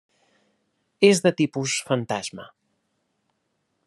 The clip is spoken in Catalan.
És de tipus fantasma.